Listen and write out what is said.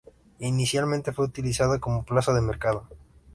Inicialmente fue utilizada como Plaza de mercado.